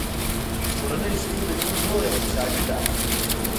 کورنی سکون د ژوند لویه خوشحالي ده.